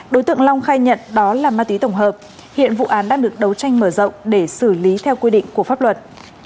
đối tượng long khai nhận đó là ma túy tổng hợp hiện vụ án đang được đấu tranh mở rộng để xử lý theo quy định của pháp luật